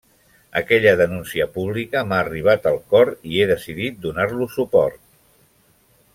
Aquella denúncia pública m'ha arribat al cor i he decidit donar-los suport.